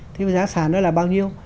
thế giá sàn đó là bao nhiêu